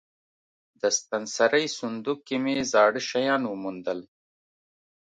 د ستنسرۍ صندوق کې مې زاړه شیان وموندل.